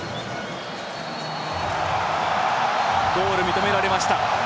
ゴール、認められました！